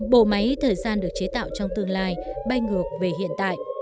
bộ máy thời gian được chế tạo trong tương lai bay ngược về hiện tại